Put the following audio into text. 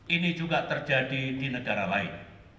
ini juga terjadi di negara lain